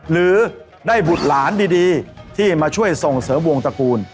หรือได้บุตรหลานดีที่มาช่วยส่งเสริมวงตระกูล